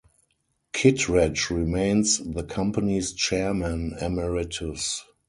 Kittredge remains the company's chairman emeritus.